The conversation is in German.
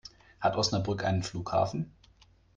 Hat Osnabrück einen Flughafen?